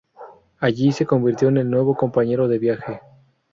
Allí, se convirtió en el nuevo compañero de viaje.